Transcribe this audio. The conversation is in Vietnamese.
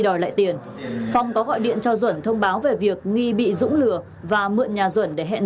đòi lại tiền phong có gọi điện cho duẩn thông báo về việc nghi bị dũng lừa và mượn nhà duẩn để hẹn